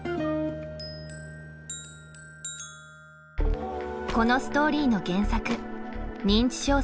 このストーリーの原作「認知症世界の歩き方」。